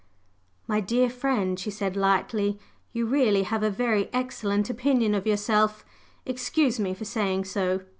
"My dear friend," she said lightly, "you really have a very excellent opinion of yourself excuse me for saying so!